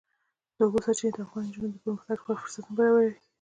د اوبو سرچینې د افغان نجونو د پرمختګ لپاره فرصتونه برابروي.